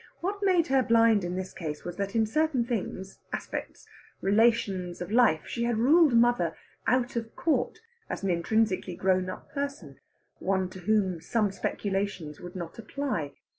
What made her blind in this case was that, in certain things, aspects, relations of life, she had ruled mother out of court as an intrinsically grown up person one to whom some speculations would not apply.